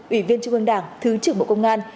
ủy viên trung ương đảng thứ trưởng bộ công an